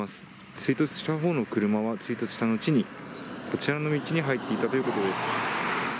追突したほうの車は追突した後に、こちらの小道に入っていったということです。